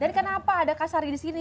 dan kenapa ada kak sari di sini